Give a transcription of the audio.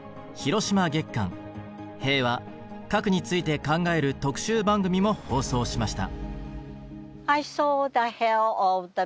平和核について考える特集番組も放送しました。